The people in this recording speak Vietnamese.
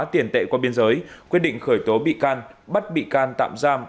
tiền tệ qua biên giới quyết định khởi tố bị can bắt bị can tạm giam